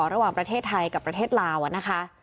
ระหว่างประเทศไทยกับประเทศลาวนะคะ